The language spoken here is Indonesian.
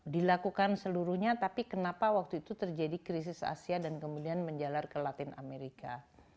dilakukan seluruhnya tapi kenapa waktu itu terjadi krisis asia dan kemudian menjalar ke latin amerika